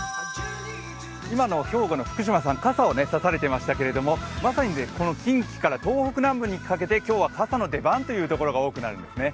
今の兵庫の福島さん、傘を差されていましたけれども、まさに近畿から東北南部にかけて、今日は傘の出番が多くなるんですね。